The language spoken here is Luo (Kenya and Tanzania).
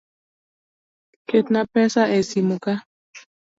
Ketna pesa e simu ka.